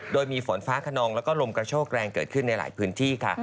โดยมีฝนฟ้าขนองแล้วก็ลมกระโชกแรงเกิดขึ้นในหลายพื้นที่ค่ะ